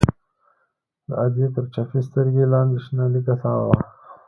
د ادې تر چپې سترگې لاندې شنه ليکه تاوه وه.